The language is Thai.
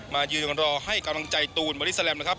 มายืนรอให้กำลังใจตูนบอดี้แลมนะครับ